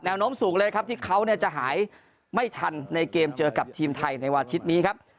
โน้มสูงเลยครับที่เขาจะหายไม่ทันในเกมเจอกับทีมไทยในวันอาทิตย์นี้ครับ